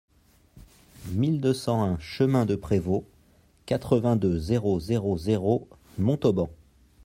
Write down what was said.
mille deux cent un chemin de Prévost, quatre-vingt-deux, zéro zéro zéro, Montauban